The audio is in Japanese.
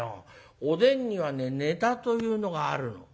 おでんにはねネタというのがあるの。